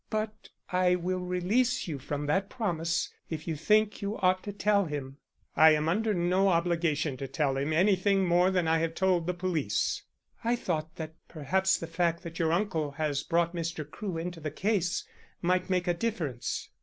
"But I will release you from that promise if you think you ought to tell him." "I am under no obligation to tell him anything more than I have told the police." "I thought that perhaps the fact that your uncle has brought Mr. Crewe into the case might make a difference."